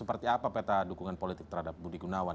seperti apa peta dukungan politik terhadap budi gunawan